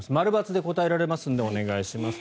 ○×で答えられますのでお願いします。